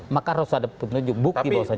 maka harus ada petunjuk bukti bahwa saja